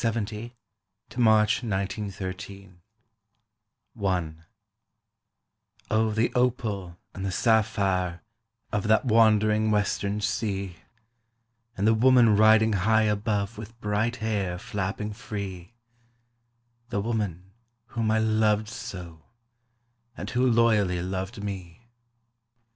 BEENY CLIFF March 1870—March 1913 I O THE opal and the sapphire of that wandering western sea, And the woman riding high above with bright hair flapping free— The woman whom I loved so, and who loyally loved me.